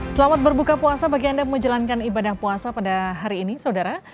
selamat berbuka puasa bagi anda yang menjalankan ibadah puasa pada hari ini saudara